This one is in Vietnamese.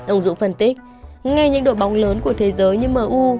ông dũng phân tích ngay những đội bóng lớn của thế giới như m u